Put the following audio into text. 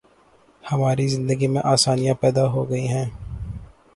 ہماری زندگی میں آسانیاں پیدا ہو گئی ہیں۔